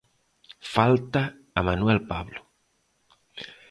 Falta a Manuel Pablo.